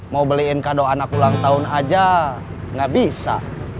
mau beliin kado anak ulang tahun aja nggak bisa